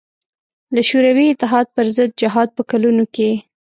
له شوروي اتحاد پر ضد جهاد په کلونو کې.